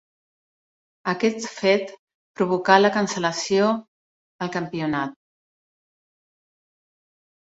Aquest fet provocà la cancel·lació el campionat.